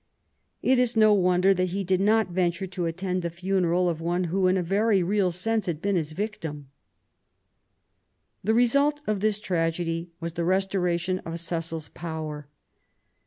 It is no wonder that he did not venture to attend the funeral of one who in a very real sense had been his victim. The result of this tragedy was the restoration of Cecil's power.